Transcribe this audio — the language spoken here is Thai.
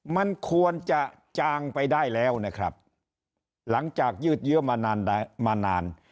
มันควรจะจางไปได้แล้วนะครับหลังจากยืดเยอะมานานมานาน